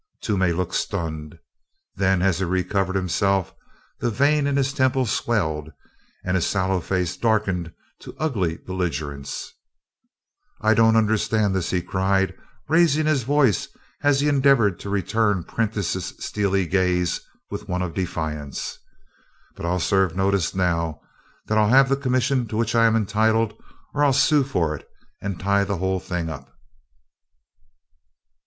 Toomey looked stunned, then, as he recovered himself, the vein in his temple swelled and his sallow face darkened to ugly belligerence. "I don't understand this!" he cried, raising his voice as he endeavored to return Prentiss's steely gaze with one of defiance. "But I'll serve notice now that I'll have the commission to which I'm entitled, or I'll sue for it and tie the whole thing up!"